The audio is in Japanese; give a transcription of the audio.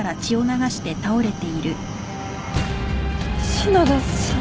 篠田さん？